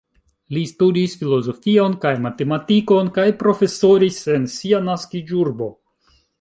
Li studis filozofion kaj matematikon kaj profesoris en sia naskiĝurbo.